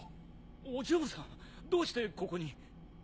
お嬢さんどうしてここに？